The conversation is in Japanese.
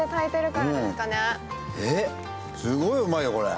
すごいうまいよ、これ。